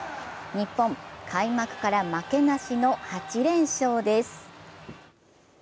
日本、開幕から負けなしの８連勝です。